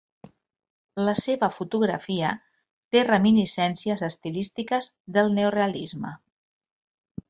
La seva fotografia té reminiscències estilístiques del neorealisme.